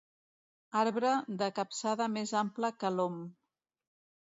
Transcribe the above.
Arbre de capçada més ample que l'om.